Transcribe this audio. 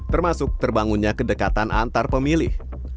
termasuk terbangunnya kedekatan antar pemilih